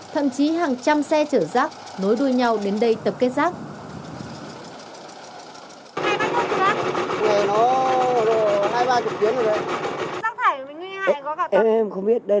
tháng trăm tháng trăm tháng trăm tháng trăm